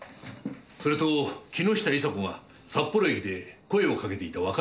それと木下伊沙子が札幌駅で声をかけていた若い女性。